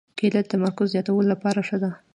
کېله د تمرکز زیاتولو لپاره ښه ده.